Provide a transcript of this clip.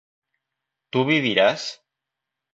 ¿tú vivirás?